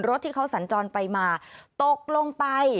รถที่เขาสัญจรไปมาตกลงไป